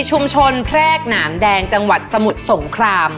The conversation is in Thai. ชุมชน๑๒๘แปรกนามแดงจังหวัดสมุทรสงคราม